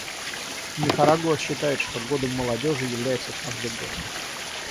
Никарагуа считает, что годом молодежи является каждый год.